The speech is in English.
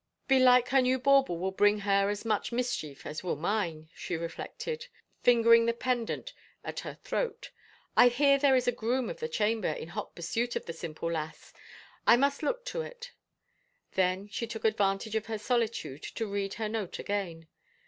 *' Belike her new bauble will bring her as much mischief as will mine," she reflected, fingering the pendant at her throat. " I hear there is a groom of the chamber in hot pursuit of the simple lass. ... I must look to it." Then she took advantage of her solitude to read her note again.